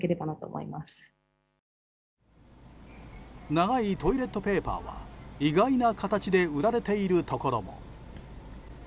長いトイレットペーパーは意外な形で売られているところも。